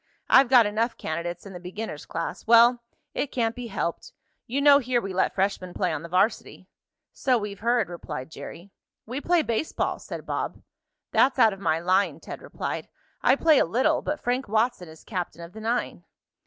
I've got enough candidates in the beginner's class. Well, it can't be helped. You know here we let freshmen play on the varsity." "So we've heard," replied Jerry. "We play baseball," said Bob. "That's out of my line," Ted replied. "I play a little, but Frank Watson is captain of the nine."